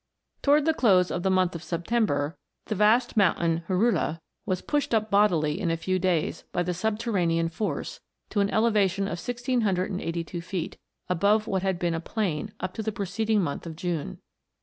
Towards the close of the month of September, the vast mountain Jorullo was pushed up bodily in a few days, by the subterranean force, to an elevation of 1 682 feet above what had been a plain up to the preceding month of June.